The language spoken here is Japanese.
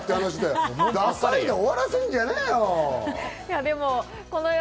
ダサいで終わらせるんじゃねえよ！